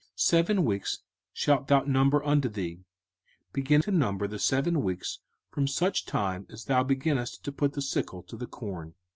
05:016:009 Seven weeks shalt thou number unto thee: begin to number the seven weeks from such time as thou beginnest to put the sickle to the corn.